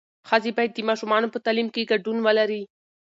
ښځې باید د ماشومانو په تعلیم کې ګډون ولري.